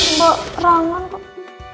mbak kerangan kok